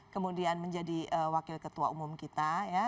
kemudian menjadi wakil ketua umum kita